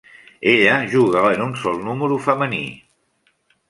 Ella juga en un sol número femení.